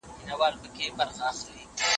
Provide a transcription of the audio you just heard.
څوک په تېښته بیرته تللي چا سینه کړه پکښي خوړینه